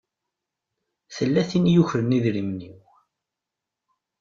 Tella tin i yukren idrimen-iw.